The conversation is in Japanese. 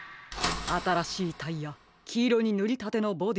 あたらしいタイヤきいろにぬりたてのボディー。